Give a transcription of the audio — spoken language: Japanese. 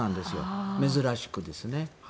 珍しくてですね。